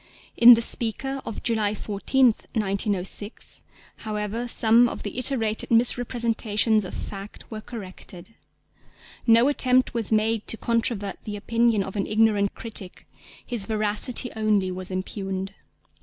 In the Speaker of July 14th, 1906, however, some of the iterated misrepresentations of fact were corrected. No attempt was made to controvert the opinion of an ignorant critic: his veracity only was impugned.